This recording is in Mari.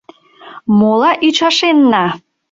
— Мола ӱчашенна?